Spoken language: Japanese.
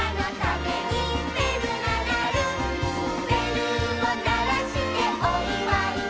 「べるをならしておいわいだ」